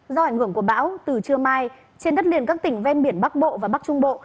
do ảnh hưởng của bão từ trưa mai trên đất liền các tỉnh ven biển bắc bộ và bắc trung bộ